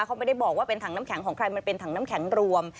เขาไม่ได้บอกว่าเป็นถังน้ำแข็งของใครมันเป็นถังน้ำแข็งรวม